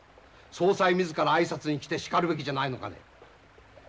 総裁自らあいさつに来てしかるべきじゃないのかね。